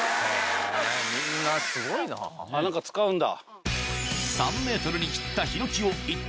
何か使うんだ。